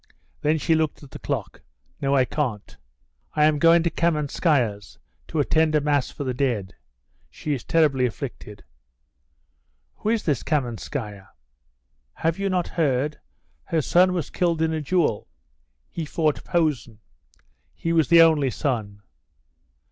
Then she looked at the clock. "No, I can't. I am going to Kamenskaya's to attend a mass for the dead. She is terribly afflicted." "Who is this Kamenskaya?" "Have you not heard? Her son was killed in a duel. He fought Posen. He was the only son.